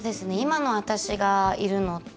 今の私がいるのって